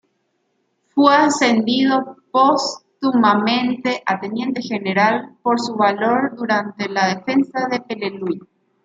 Fue ascendido póstumamente a teniente general por su valor durante la defensa de Peleliu.